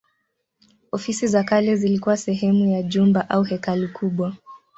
Ofisi za kale zilikuwa sehemu ya jumba au hekalu kubwa.